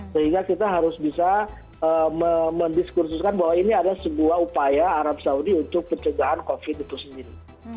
sehingga kita harus bisa mendiskursuskan bahwa ini adalah sebuah upaya arab saudi untuk pencegahan covid itu sendiri